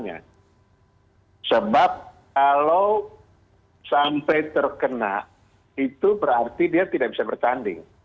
karena kalau sampai terkena itu berarti dia tidak bisa bertanding